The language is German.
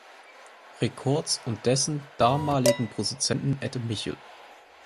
Records und dessen damaligen Produzenten Ed Michel.